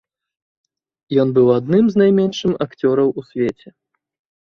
Ён быў адным з найменшым акцёраў у свеце.